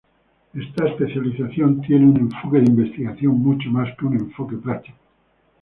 Esta especialización tiene un enfoque de investigación, mucho más que un enfoque práctico.